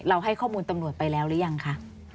ให้ข้อมูลตำรวจไปแล้วหรือยังคะ